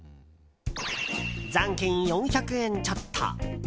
残金４００円ちょっと。